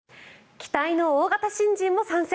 期待の大型新人も参戦。